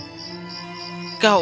kau sangat berarti bagiku airis